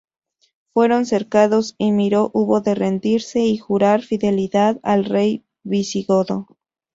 Fueron cercados y Miro hubo de rendirse y jurar fidelidad al rey visigodo.